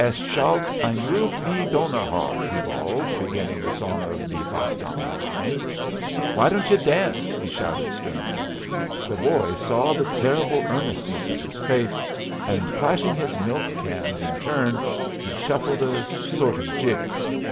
"'Es schallt ein Ruf wie Donnerhall,'" he bawled, beginning the song of "Die Wacht am Rhein." "Why don't you dance?" he shouted, sternly. The boy saw the terrible earnestness of his face, and, clashing his milk cans in turn, he shuffled a sort of jig.